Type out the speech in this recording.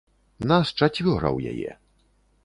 Нас чацвёра ў яе.